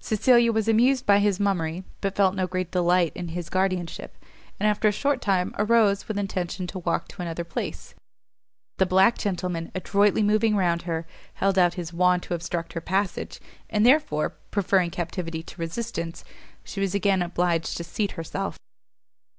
Cecilia was amused by his mummery, but felt no great delight in his guardianship, and, after a short time, arose, with intention to walk to another place; but the black gentleman, adroitly moving round her, held out his wand to obstruct her passage, and therefore, preferring captivity to resistance, she was again obliged to seat herself.